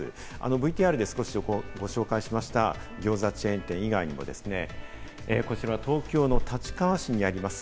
ＶＴＲで少しご紹介しました、餃子チェーン店以外にも東京の立川市にあります